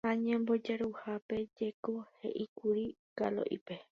ha ñembojaruhápe jeko he'íkuri Kalo'ípe.